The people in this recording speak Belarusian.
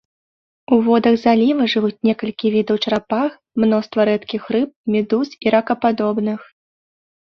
У водах заліва жывуць некалькі відаў чарапах, мноства рэдкіх рыб, медуз і ракападобных.